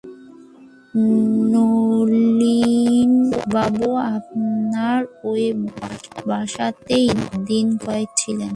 নলিনবাবু আপনার ঐ বাসাটাতেই দিন-কয়েক ছিলেন।